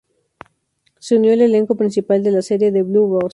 Se unió al elenco principal de la serie "The Blue Rose".